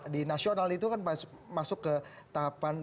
di nasional itu kan masuk ke tahapan